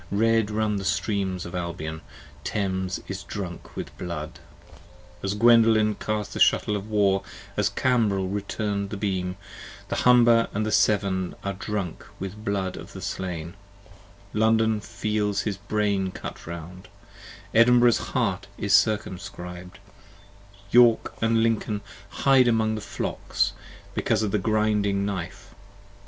Red run the streams of Albion: Thames is drunk with blood. As Gwendolen cast the Shuttle of war, as Cambel return'd the beam, The Humber & the Severn are drunk with the blood of the slain: London feels his brain cut round: Edinburgh's heart is circumscribed: 65 York & Lincoln hide among the flocks, because of the griding knife.